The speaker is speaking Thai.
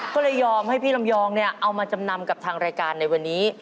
ก็เลยยอมให้พี่ลำยองเนี่ยเอามาจำนำกับทางรายการในวันนี้